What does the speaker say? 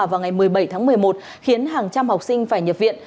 vào ngày một mươi bảy tháng một mươi một khiến hàng trăm học sinh phải nhập viện